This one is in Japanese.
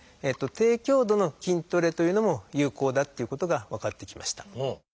低強度の筋トレというのも有効だっていうことが分かってきました。